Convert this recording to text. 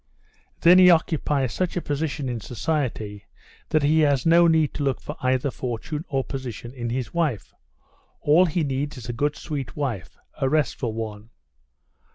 "Then he occupies such a position in society that he has no need to look for either fortune or position in his wife. All he needs is a good, sweet wife—a restful one."